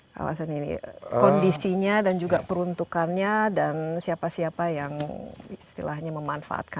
kawasan ini kondisinya dan juga peruntukannya